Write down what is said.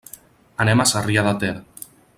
Anem a Sarrià de Ter.